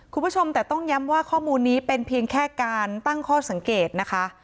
คุณผู้ชมแต่ต้องย้ำว่าข้อมูลนี้เป็นเพียงแค่การตั้งข้อสังเกตนะคะ